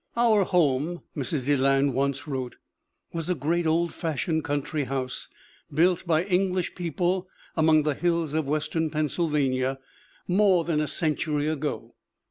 "Our home/' Mrs. Deland once wrote, "was a great, old fashioned country house, built by English people among the hills of western Pennsylvania more than a century ago.